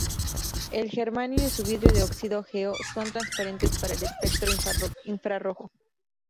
El germanio y su vidrio de óxido, GeO, son transparentes para el espectro infrarrojo.